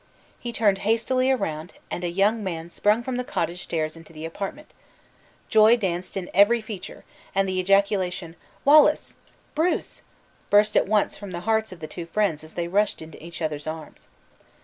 He turned hastily round, and a young man sprung from the cottage stairs into the apartment joy danced in every feature, and the ejaculation, "Wallace!" "Bruce!" burst at once from the hearts of the two friends as they rushed into each other's arms.